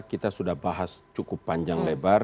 kita sudah bahas cukup panjang lebar